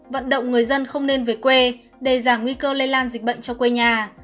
vận động người dân không nên về quê để giảm nguy cơ lây lan dịch bệnh cho quê nhà